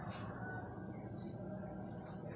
มีเวลาเมื่อเวลาเมื่อเวลา